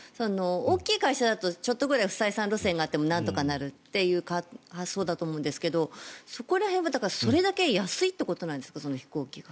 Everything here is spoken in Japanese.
大きい会社だとちょっとぐらい不採算路線があってもなんとかなるという発想だと思うんですがそこら辺は、それだけ安いということなんですか飛行機が。